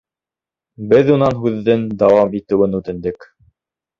Беҙ унан һүҙен дауам итеүен үтендек.